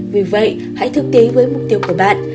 vì vậy hãy thực tế với mục tiêu của bạn